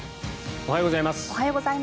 おはようございます。